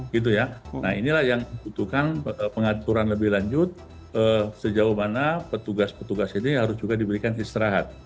nah inilah yang dibutuhkan pengaturan lebih lanjut sejauh mana petugas petugas ini harus juga diberikan istirahat